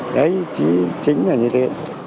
đấy chỉ chính là như thế